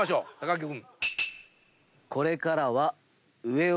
木君。